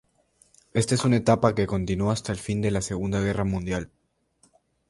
Esta es una etapa que continuo hasta el fin de la segunda guerra mundial.